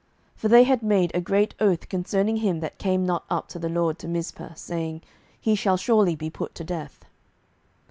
For they had made a great oath concerning him that came not up to the LORD to Mizpeh, saying, He shall surely be put to death.